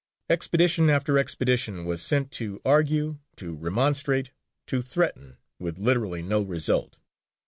Expedition after expedition was sent to argue, to remonstrate, to threaten, with literally no result.